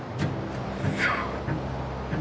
「そう」